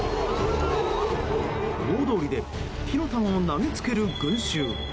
大通りで火の玉を投げつける群衆。